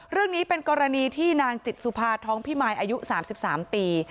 เรื่องนี้เป็นกรณีที่นางจิตสุภาท้องพิมายอายุ๓๓ปี